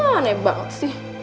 aneh banget sih